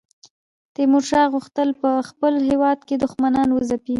تیمورشاه غوښتل په خپل هیواد کې دښمنان وځپي.